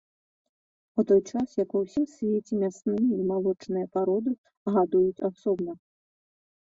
У той час як ва ўсім свеце мясныя і малочныя пароды гадуюць асобна.